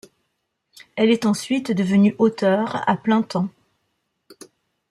Elle est ensuite devenue auteur à plein temps.